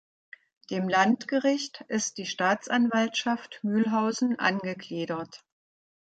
Dem Landgericht ist die Staatsanwaltschaft Mühlhausen angegliedert.